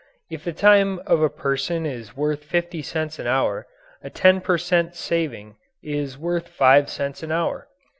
If the time of a person is worth fifty cents an hour, a 10 per cent. saving is worth five cents an hour.